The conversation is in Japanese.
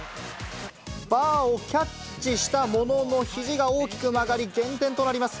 バーをキャッチしたものの、ひじが大きく曲がり、減点となります。